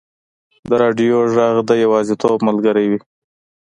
د راډیو ږغ د یوازیتوب ملګری وي.